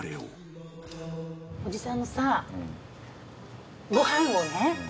おじさんのさご飯をね